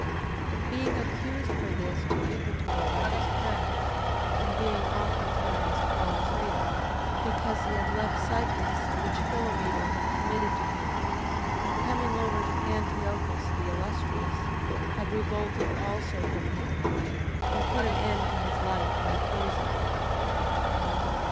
10:13. But being accused for this to Eupator by his friends, and being oftentimes called traitor, because he had left Cyprus, which Philometor had committed to him, and coming over to Antiochus the Illustrious, had revolted also from him, he put an end to his life by poison.